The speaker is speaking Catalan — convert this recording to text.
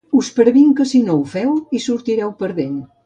Us previnc que si no ho feu hi sortireu perdent.